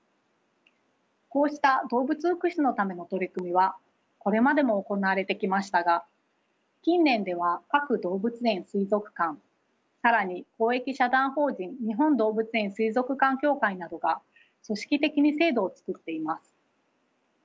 こうした動物福祉のための取り組みはこれまでも行われてきましたが近年では各動物園水族館更に公益社団法人日本動物園水族館協会などが組織的に制度を作っています。